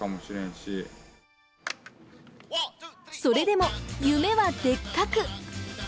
それでも夢はでっかく！